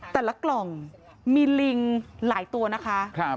กล่องมีลิงหลายตัวนะคะ